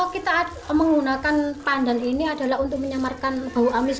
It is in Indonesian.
kita menggunakan pandan ini adalah untuk menyamarkan bau amis